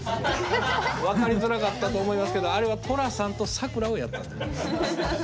分かりづらかったと思いますけどあれは寅さんとさくらをやったんです。